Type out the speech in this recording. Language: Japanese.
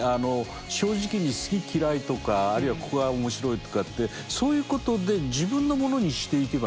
正直に好き嫌いとかあるいはここが面白いとかってそういうことで自分のものにしていけばね。